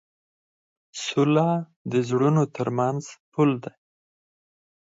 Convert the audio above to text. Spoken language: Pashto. سوله د زړونو تر منځ پُل دی.